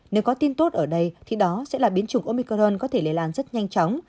nếu có tin tốt ở đây thì đó sẽ là biến chủng omicron có thể lây lan rất nhanh chóng